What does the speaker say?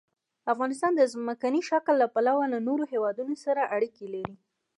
افغانستان د ځمکنی شکل له پلوه له نورو هېوادونو سره اړیکې لري.